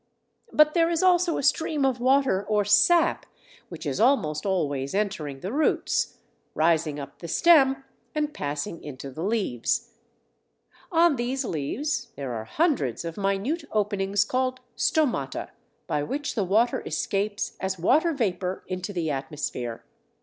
But there is also a stream of water or sap which is almost always entering the roots, rising up the stem, and passing into the leaves. On these leaves there are hundreds of minute openings called stomata, by which the water escapes as water vapour into the atmosphere.